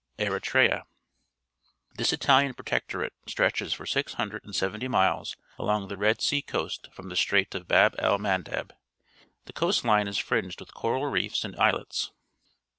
ERITREA 'nrty^ This Italian protectorate stretches for six hundred and seventy miles along the Red Sea coast from the Strait of Bab el Mandeb. The coast line is fringed with coral reefs and islets.